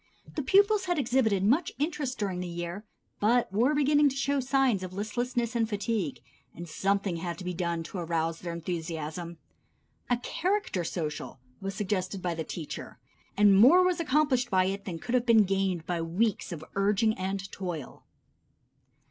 The pupils had exhibited much interest during the year, but were beginning to show signs of listlessness and fatigue, and something had to be done to arouse their enthusiasm. A character social was suggested by the teacher, and more was accomplished by it than could have been gained by weeks of urging and toil.